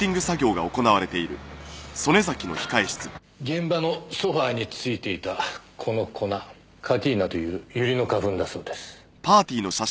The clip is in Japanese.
現場のソファーについていたこの粉カティーナというユリの花粉だそうです。